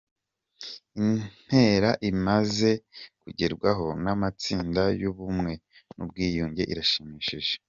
Intera imaze kugerwaho n’amatsinda y’ubumwe n’ubwiyunge irashimishije